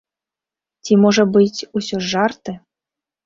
Ці, можа быць, усё ж жарты?